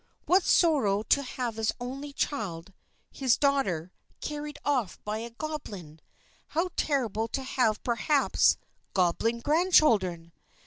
What sorrow to have his only child, his daughter, carried off by a goblin! How terrible to have, perhaps, goblin grandchildren!